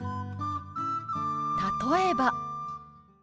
例えば。